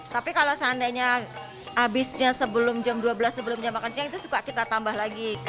tapi kalau seandainya habisnya sebelum jam dua belas sebelum jam makan siang itu suka kita tambah lagi